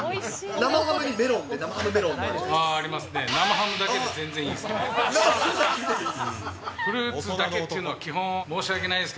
生ハムだけで全然いいですね。